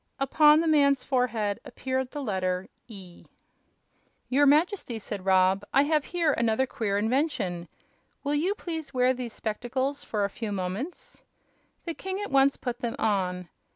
Upon the man's forehead appeared the letter "E." "Your Majesty," said Rob, "I have here another queer invention. Will you please wear these spectacles for a few moments?" The king at once put them on.